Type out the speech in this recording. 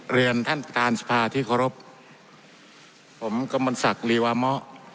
เรียนท่านประธานสภาที่เคารพผมกมลศักดิวามะ